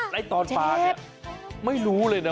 ในตอนปลานี้ไม่รู้เลยนะว่า